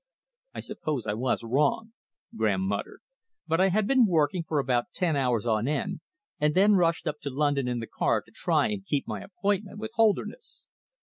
"I suppose I was wrong," Graham muttered, "but I had been working for about ten hours on end, and then rushed up to London in the car to try and keep my appointment with Holderness."